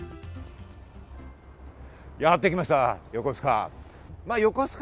やってきました、横須賀。